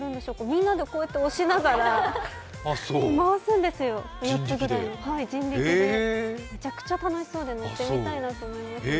みんなでこうやって押しながら回すんですよ、４つぐらい、人力で、めちゃくちゃ楽しそうで乗ってみたいなと。